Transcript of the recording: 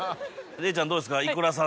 礼ちゃんどうですか？